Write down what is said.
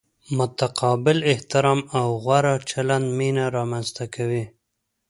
متقابل احترام او غوره چلند مینه را منځ ته کوي.